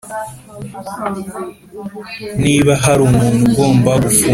Niba hari umuntu ugomba gufungwa